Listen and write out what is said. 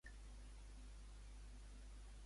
Hi ha també peces dedicades al culte i a la religió?